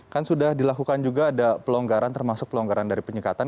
kan sudah dilakukan juga ada pelonggaran termasuk pelonggaran dari penyekatan